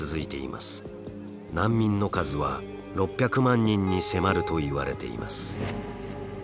難民の数は６００万人に迫るといわれています。